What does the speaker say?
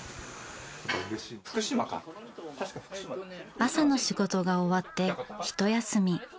朝の仕事が終わってひと休み。